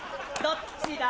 どっちだ